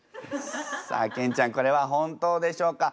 さあケンちゃんこれは本当でしょうか？